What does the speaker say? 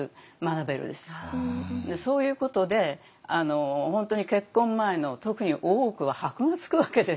そういうことで本当に結婚前の特に大奥は箔が付くわけですよ。